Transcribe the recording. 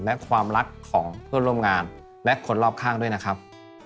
และความรักของเพื่อนร่วมงานและคนรอบข้างด้วยนะครับ